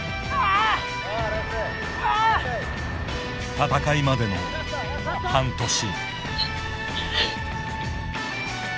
戦いまでの、半年。